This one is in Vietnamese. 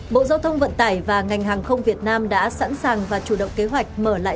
bộ giao thông vận tải và ngành hàng không việt nam đã sẵn sàng và chủ động kế hoạch mở lại